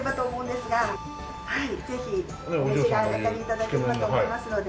ぜひお召し上がり頂ければと思いますので。